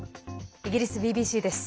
イギリスＢＢＣです。